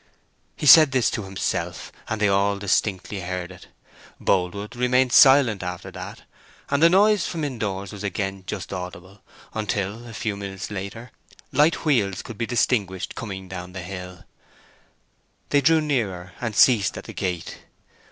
He said this to himself, and they all distinctly heard it. Boldwood remained silent after that, and the noise from indoors was again just audible, until, a few minutes later, light wheels could be distinguished coming down the hill. They drew nearer, and ceased at the gate.